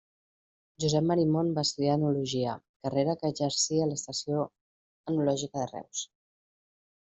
Josep Marimon va estudiar Enologia, carrera que exercí a l'Estació Enològica de Reus.